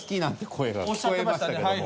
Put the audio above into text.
声が聞こえましたけども。